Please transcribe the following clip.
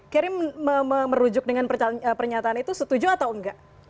kary merujuk dengan pernyataan itu setuju atau enggak